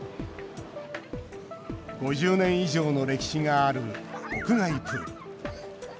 ５０年以上の歴史がある屋外プール。